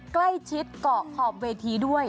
ใกล้ชิดเกาะขอบเวทีด้วย